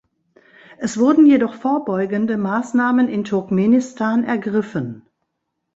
Es wurden jedoch vorbeugende Maßnahmen in Turkmenistan ergriffen.